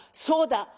そうだ！」。